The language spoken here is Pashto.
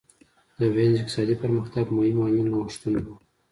د وینز اقتصادي پرمختګ مهم عامل نوښتونه وو